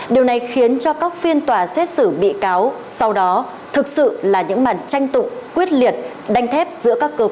điều này khiến cho các phiên tòa xét xử bị cáo sau đó thực sự là những màn tranh tụng quyết liệt đánh thép giữa các cơ quan